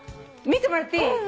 見てもらっていい？